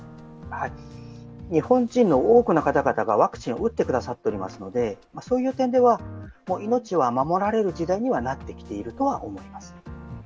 日本人の多くの方々がワクチンを打ってくださっていますので、そういう点では命は守られる時代にはなってきているとは思います。